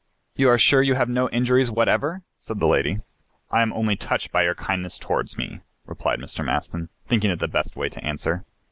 "You are sure you have no injuries whatever," said the lady. "I am only touched by your kindness towards me," replied Mr. Maston, thinking it the best way to answer.